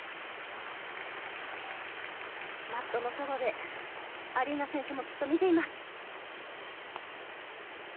マットのそばでアリーナ選手もきっと見ています。